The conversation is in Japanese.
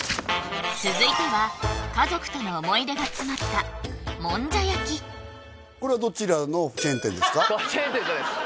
続いては家族との思い出が詰まったこれはチェーン店じゃないです